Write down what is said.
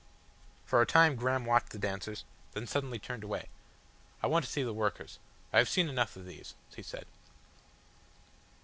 For a time Graham watched the dancers, then suddenly turned away. "I want to see the workers. I have seen enough of these," he said.